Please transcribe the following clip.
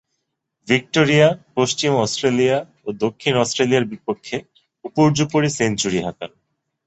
Victoria, পশ্চিম Australia ও দক্ষিণ অস্ট্রেলিয়ার বিপক্ষে উপর্যুপরী সেঞ্চুরি হাঁকান।